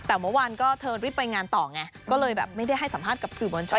แต่เมื่อวานก็เธอรีบไปงานต่อไงก็เลยแบบไม่ได้ให้สัมภาษณ์กับสื่อมวลชน